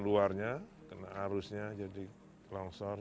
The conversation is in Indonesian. keluarnya kena arusnya jadi longsor